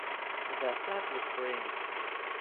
Their flag was green.